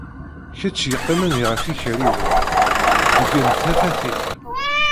Kečč yeqqimen ɣef yikerruben, beyyen-d tafat-ik!